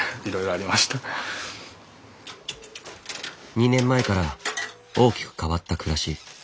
２年前から大きく変わった暮らし。